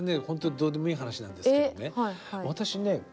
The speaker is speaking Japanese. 本当にどうでもいい話なんですけどね